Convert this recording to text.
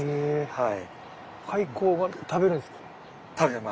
はい。